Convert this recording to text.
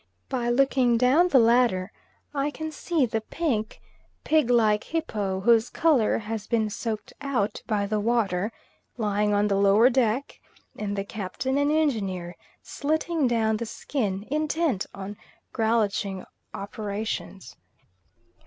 By looking down the ladder, I can see the pink, pig like hippo, whose colour has been soaked out by the water, lying on the lower deck and the Captain and Engineer slitting down the skin intent on gralloching operations.